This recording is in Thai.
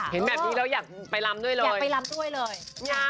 เห็นแบบนี้แล้วอยากไปรำด้วยเลย